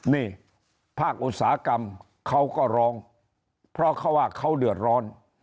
นี่ภาคอุตสาหกรรมเขาก็ร้องเพราะเขาว่าเขาเดือดร้อน